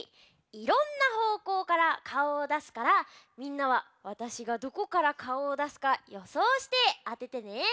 いろんなほうこうからかおをだすからみんなはわたしがどこからかおをだすかよそうしてあててね。